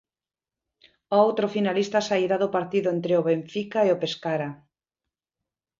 O outro finalista sairá do partido entre o Benfica e o Pescara.